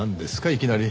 いきなり。